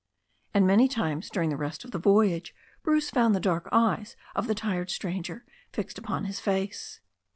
And many times during the rest of the voyage Bruce found the dark eyes of the tired stranger fixed upon his face.